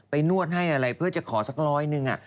นวดให้อะไรเพื่อจะขอสักร้อยหนึ่ง